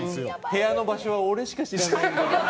部屋の場所は俺しか知らないんです。